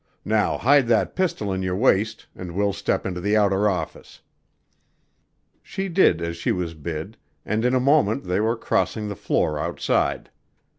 Now hide that pistol in your waist and we'll step into the outer office." She did as she was bid, and in a moment more they were crossing the floor outside.